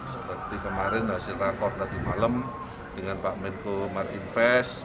seperti kemarin hasil rakor tadi malam dengan pak menko marinvest